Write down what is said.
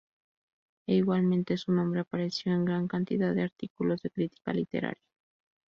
E, igualmente, su nombre apareció en gran cantidad de artículos de crítica literaria.